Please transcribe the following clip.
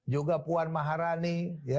juga puan maharani